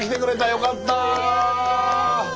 よかった。